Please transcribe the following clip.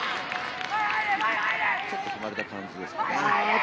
ちょっと踏まれた感じですかね。